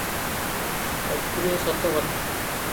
ଅପ୍ରିୟ ସତ କଥା ।